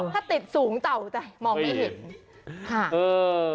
ถ้าติดสูงเต่ามองไม่เห็น